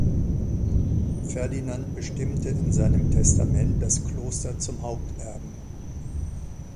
Ferdinand bestimmte in seinem Testament das Kloster zum Haupterben.